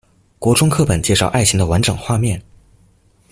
國中課本介紹愛情的完整畫面